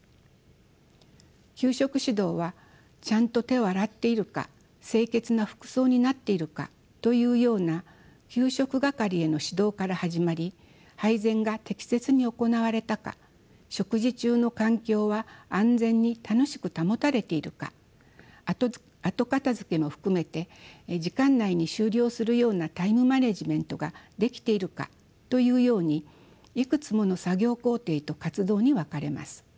給食指導はちゃんと手を洗っているか清潔な服装になっているかというような給食係への指導から始まり配膳が適切に行われたか食事中の環境は安全に楽しく保たれているか後片づけも含めて時間内に終了するようなタイムマネジメントができているかというようにいくつもの作業工程と活動に分かれます。